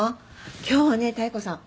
今日はね妙子さん